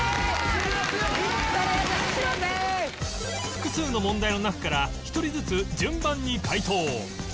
複数の問題の中から一人ずつ順番に解答